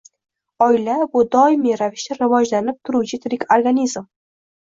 Oila – bu doimiy ravishda rivojlanib turuvchi tirik organizm.